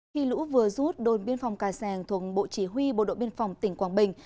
khi lũ vừa rút đồn biên phòng cà sàng thuộc bộ chỉ huy bộ đội biên phòng tỉnh quảng bình